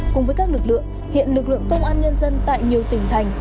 cùng với các lực lượng hiện lực lượng công an nhân dân tại nhiều tỉnh thành